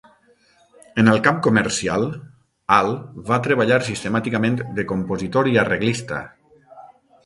En el camp comercial, AI va treballar sistemàticament de compositor i arreglista.